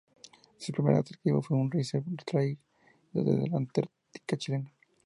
Su principal atractivo fue un iceberg traído desde la Antártica Chilena.